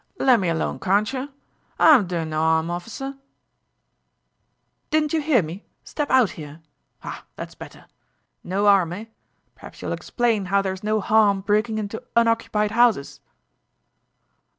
"Le' me alone, carntcher? Ah'm doin' no 'arm, officer, " "Didn't you hear me? Step out here. Ah, that's better.... No harm, eh? Perhaps you'll explain how there's no harm breakin' into unoccupied 'ouses?"